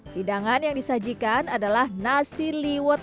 hidangan yang disajikan adalah nasi liwet